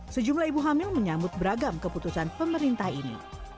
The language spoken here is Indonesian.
sejumlah ibu hamil menyambut beragam keputusan pemerintah ini